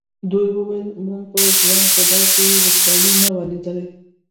دوی ویل زموږ په ژوند خو داسې وچکالي نه وه لیدلې.